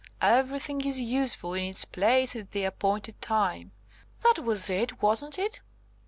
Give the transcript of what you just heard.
'Everything is useful in its place at the appointed time.' That was it, wasn't it?"